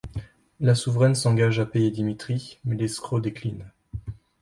La souveraine s’engage à payer Dimitri, mais l’escroc décline.